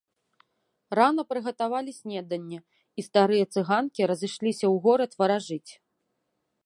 Рана прыгатавалі снеданне, і старыя цыганкі разышліся ў горад варажыць.